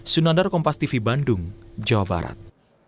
sunandar kompas tv bandung jawa barat